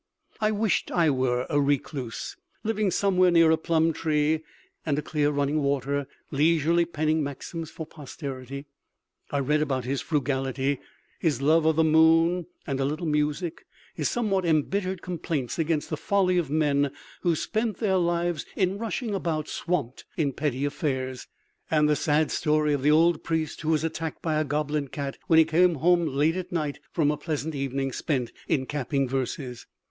I wished I were a recluse, living somewhere near a plum tree and a clear running water, leisurely penning maxims for posterity. I read about his frugality, his love of the moon and a little music, his somewhat embittered complaints against the folly of men who spend their lives in rushing about swamped in petty affairs, and the sad story of the old priest who was attacked by a goblin cat when he came home late at night from a pleasant evening spent in capping verses.